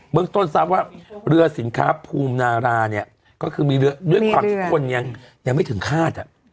เมืองต้นทราบว่าเรือสินค้าภูมินาราเนี่ยก็คือมีเรือด้วยความที่คนยังไม่ถึงคาด